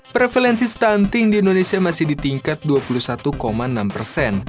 prevalensi stunting di indonesia masih di tingkat dua puluh satu enam persen